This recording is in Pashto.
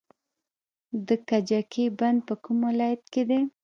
د کجکي بند په کوم ولایت کې دی؟